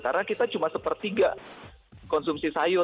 karena kita cuma sepertiga konsumsi sayur